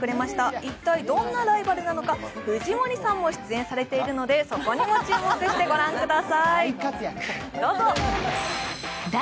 一体どんなライバルなのか藤森さんも出演しているのでそこにも注目してご覧ください。